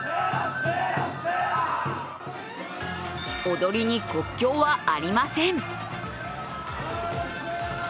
踊りに国境はありません。